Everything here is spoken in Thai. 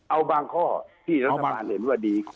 เอาบางข้อที่รัฐบาลเห็นว่าดี